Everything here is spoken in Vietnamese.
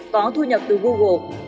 có thu nhập từ google